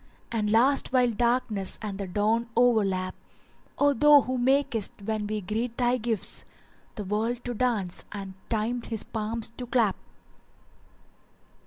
* And last while darkness and the dawn o'erlap: O thou who makest, when we greet thy gifts, * The world to dance and Time his palms to clap."